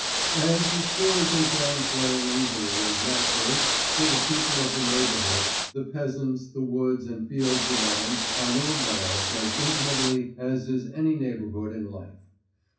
And the story goes on flowing easily and naturally till the people of the neighbourhood, the peasants, the woods and fields around, are known by us as intimately as is any neighbourhood in life.